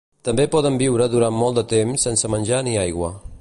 També poden viure durant molt de temps sense menjar ni aigua.